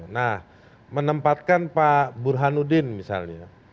nah menempatkan pak burhanuddin misalnya